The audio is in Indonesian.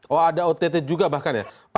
oh ada ott juga bahkan ya